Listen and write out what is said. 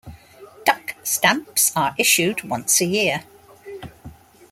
Duck stamps are issued once a year.